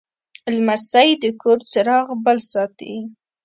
لمسی د کور چراغ بل ساتي.